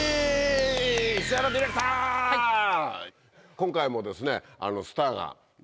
今回もですね。